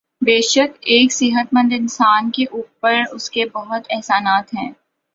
بیشک ایک صحت مند اانسان کے اوپر اسکے بہت احسانات ہیں